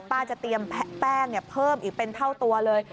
จะเตรียมแป้งเพิ่มอีกเป็นเท่าตัวเลย